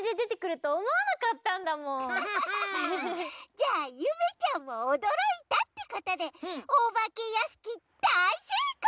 じゃあゆめちゃんもおどろいたってことでおばけやしきだいせいこう！